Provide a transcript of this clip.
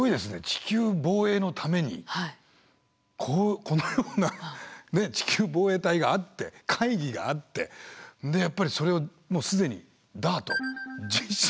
地球防衛のためにこのような地球防衛隊があって会議があってやっぱりそれをもう既にＤＡＲＴ実証してると。